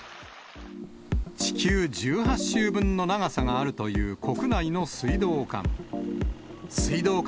地球１８周分の長さがあるという国内の水道管。